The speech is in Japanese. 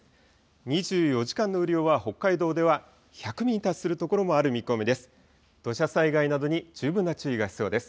２４時間の雨量は北海道では１００ミリに達する所もある見込みです。